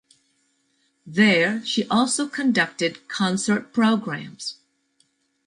There she also conducted concert programs.